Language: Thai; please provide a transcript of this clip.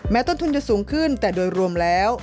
ต้นทุนจะสูงขึ้นแต่โดยรวมแล้ว